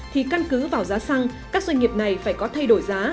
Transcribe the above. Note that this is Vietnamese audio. thì căn cứ vào giá xăng các doanh nghiệp này phải có thay đổi giá